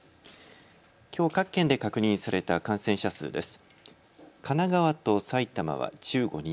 きょう各県で確認された感染者数です。